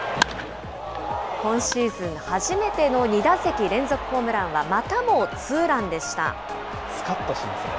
今シーズン初めての２打席連続ホームランは、またもツーランすかっとしますね。